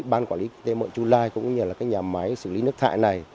ban quản lý kinh tế mọi chú lai cũng như là nhà máy xử lý nước thải này